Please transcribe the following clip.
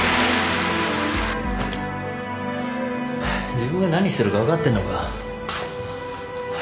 自分が何してるか分かってんのか？